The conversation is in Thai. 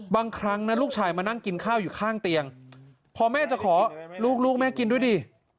บางครั้งนะลูกชายมานั่งกินข้าวอยู่ข้างเตียงพอแม่จะขอลูกลูกแม่กินด้วยดิ